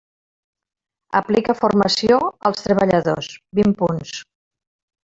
Aplica formació als treballadors, vint punts.